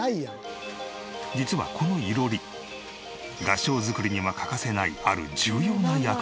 実はこの囲炉裏合掌造りには欠かせないある重要な役割が。